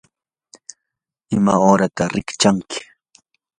¿imay uurataq rikchanki?